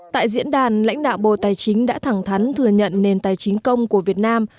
tại diễn đàn lãnh đạo bộ tài chính đã thẳng thắn thừa nhận nền tài chính công của việt nam